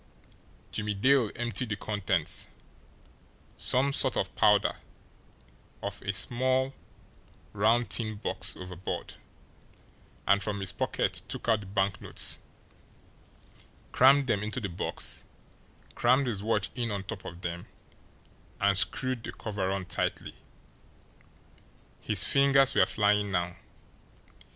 Jimmie Dale emptied the contents, some sort of powder, of a small, round tin box overboard, and from his pocket took out the banknotes, crammed them into the box, crammed his watch in on top of them, and screwed the cover on tightly. His fingers were flying now.